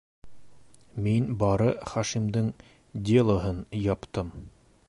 Мин бары Хашимдың «Дело»һын яптым.